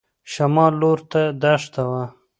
شمال لور ته دښته وه.